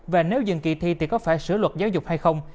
và nếu dừng kỳ thi thì có phải sửa luật giáo dục hay không